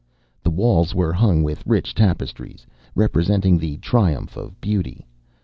The walls were hung with rich tapestries representing the Triumph of Beauty.